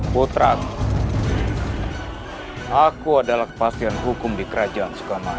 putra aku adalah kepastian hukum di kerajaan sukamana